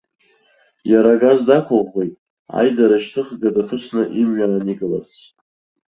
Иара агаз дақәыӷәӷәеит, аидарашьҭыхга даԥысны имҩа ааникыларц.